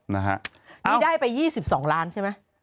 นี่ได้ไป๒๒ล้านใช่ไหม